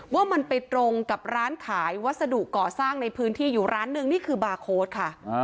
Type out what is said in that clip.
ว่ามันไปตรงกับร้านขายวัสดุก่อสร้างในพื้นที่อยู่ร้านหนึ่งนี่คือบาร์โค้ดค่ะ